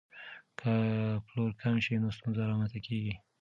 که پلور کم شي نو ستونزه رامنځته کیږي.